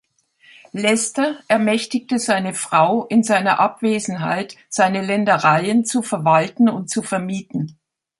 Leicester ermächtigte seine Frau, in seiner Abwesenheit seine Ländereien zu verwalten und zu vermieten.